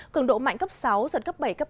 cường độ mạnh cấp sáu giật cấp bảy cấp tám